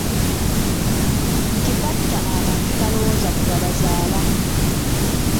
Nti Bw'atta abantu talowooza ku babazaala.